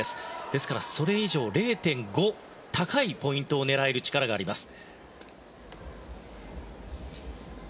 ですから、それ以上０．５高いポイントを狙える力があります。